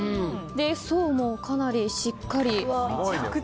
層もかなりしっかり。